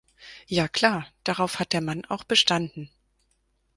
Ja klar, darauf hat der Mann auch bestanden.